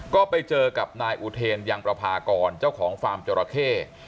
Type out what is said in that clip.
ก็ไปเจอกับนายอุเทนยังประพากรเจ้าของฟาร์มจราเข้